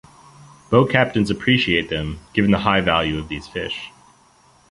Boat captains appreciate them, given the high value of these fish.